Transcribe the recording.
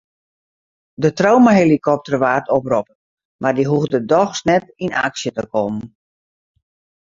De traumahelikopter waard oproppen mar dy hoegde dochs net yn aksje te kommen.